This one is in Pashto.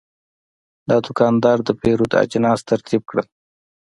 دا دوکاندار د پیرود اجناس ترتیب کړل.